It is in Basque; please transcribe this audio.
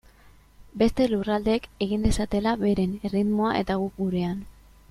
Beste lurraldeek egin dezatela beren erritmoan eta guk gurean.